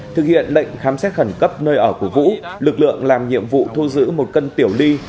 thực hiện lệnh khám xét khẩn cấp nơi ở của vũ lực lượng làm nhiệm vụ thu giữ một cân tiểu ly